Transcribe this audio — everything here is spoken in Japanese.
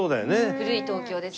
古い東京ですね。